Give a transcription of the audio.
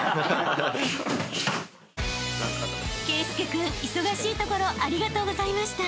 ［圭佑君忙しいところありがとうございました］